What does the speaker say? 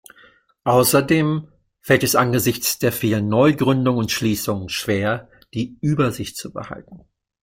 Außerdem fällt es angesichts der vielen Neugründungen und Schließungen schwer, die Übersicht zu behalten.